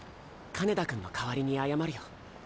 金田君の代わりに謝るよ。